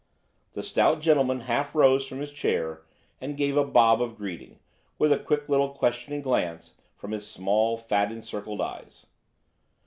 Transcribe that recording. The stout gentleman half rose from his chair and gave a bob of greeting, with a quick little questioning glance from his small fat encircled eyes.